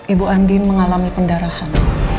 ibu andin mengalami pendarahan